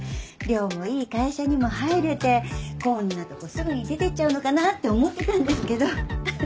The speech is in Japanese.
涼もいい会社にも入れてこんなとこすぐに出て行っちゃうのかなって思ってたんですけど。